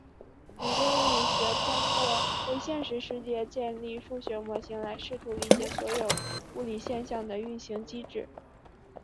理论物理学通过为现实世界建立数学模型来试图理解所有物理现象的运行机制。